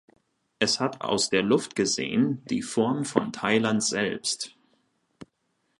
Es hat aus der Luft gesehen die Form von Thailand selbst.